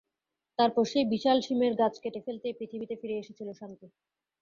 তারপর সেই বিশাল শিমের গাছ কেটে ফেলতেই পৃথিবীতে ফিরে এসেছিল শান্তি।